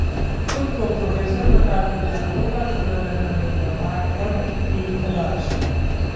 खुद को प्रोफेसर बताकर लाखों का चूना लगाने वाले ठग की तलाश